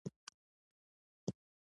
زه نن د الاقصی جومات شاوخوا ډېر وګرځېدم.